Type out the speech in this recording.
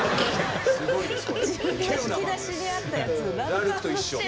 ラルクと一緒。